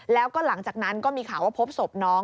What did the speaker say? แล้วก็หลังจากนั้นก็มีข่าวว่าพบศพน้อง